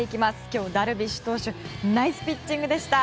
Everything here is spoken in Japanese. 今日ダルビッシュ投手ナイスピッチングでした。